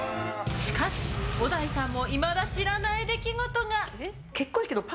しかし、小田井さんもいまだ知らない出来事が。